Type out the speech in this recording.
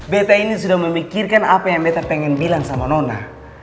beta ini sudah memikirkan apa yang beta pengen bilang sama nona